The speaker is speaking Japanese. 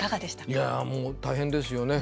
いや、もう大変ですよね。